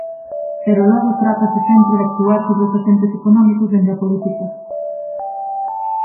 Pero logo trátase sempre de actuar sobre os axentes económicos dende a política.